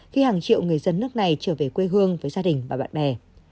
khi hàng triệu người dân nước này trở về quê hương với gia đình và bạn bè